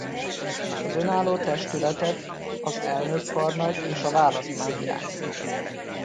Az önálló testületet az elnök-karnagy és a választmány irányítja.